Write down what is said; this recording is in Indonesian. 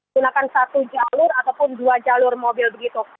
gunakan satu jalur ataupun dua jalur mobil begitu